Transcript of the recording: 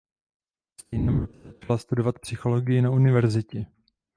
Ve stejném roce začala studovat psychologii na univerzitě.